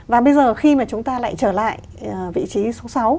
và bây giờ khi mà chúng ta lại trở lại vị trí số sáu